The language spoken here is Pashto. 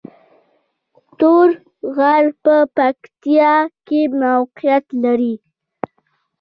تور غر په پکتیا کې موقعیت لري